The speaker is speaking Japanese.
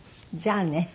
じゃあね。